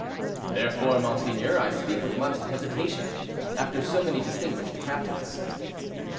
"Therefore, monseigneur, I speak with much hesitation, after so many distinguished captains."